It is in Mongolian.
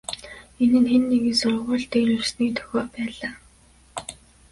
Энэ нь хэн нэгэн сургууль дээр ирсний дохио байлаа.